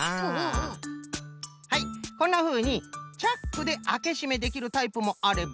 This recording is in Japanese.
はいこんなふうにチャックであけしめできるタイプもあれば。